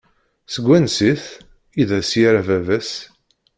Seg wansi-t? I d as-yerra baba-s.